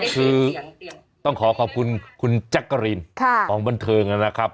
คือต้องขอขอบคุณคุณแจ๊กกะรีนของบันเทิงนะครับ